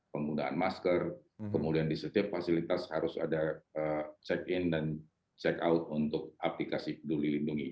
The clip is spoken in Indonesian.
penggunaan masker kemudian di setiap fasilitas harus ada check in dan check out untuk aplikasi peduli lindungi